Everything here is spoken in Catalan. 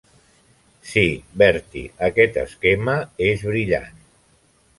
Sí, Bertie, aquest esquema és brillant.